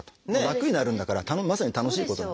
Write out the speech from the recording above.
楽になるんだからまさに楽しいこと。